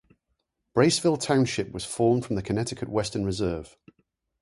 Braceville Township was formed from the Connecticut Western Reserve.